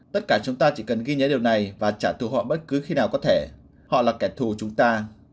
tất cả chúng ta chỉ cần ghi nhớ điều này và trả từ họ bất cứ khi nào có thể họ là kẻ thù chúng ta